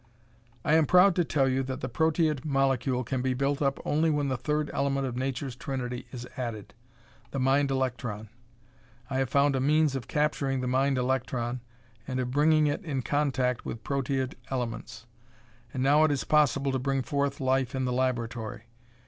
"I am proud to tell you that the proteid molecule can be built up only when the third element of nature's trinity is added the mind electron. I have found a means of capturing the mind electron and of bringing it in contact with proteid elements. And now it is possible to bring forth life in the laboratory.